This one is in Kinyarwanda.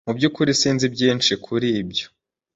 Mu byukuri sinzi byinshi kuri ibyo.